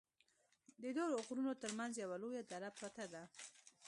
ددوو غرونو تر منځ یوه لویه دره پراته ده